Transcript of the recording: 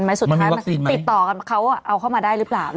สุดท้ายมันติดต่อกันเขาเอาเข้ามาได้หรือเปล่า